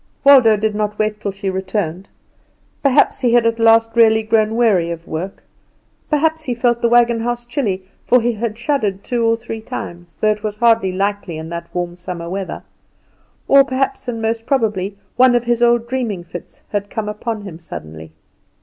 Waldo did not wait till she returned. Perhaps he had at last really grown weary of work; perhaps he felt the wagon house chilly (for he had shuddered two or three times), though this was hardly likely in that warm summer weather; or, perhaps, and most probably, one of his old dreaming fits had come upon him suddenly.